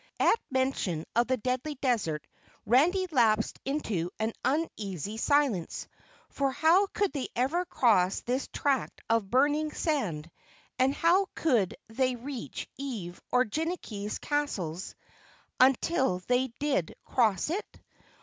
At mention of the Deadly Desert, Randy lapsed into an uneasy silence, for how could they ever cross this tract of burning sand, and how could they reach Ev or Jinnicky's castles unless they did cross it?